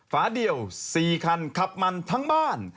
ฝาเดียว๔คันขับมันทั้งบ้าน